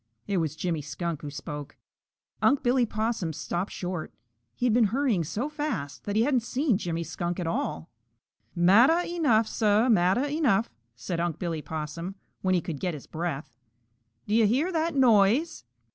It was Jimmy Skunk who spoke. Unc' Billy Possum stopped short. He had been hurrying so fast that he hadn't seen Jimmy Skunk at all. "Matter enuff, Suh! Matter enuff!" said Unc' Billy Possum, when he could get his breath. "Do you hear that noise?"